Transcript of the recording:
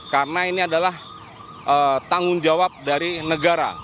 karena ini adalah tanggung jawab dari negara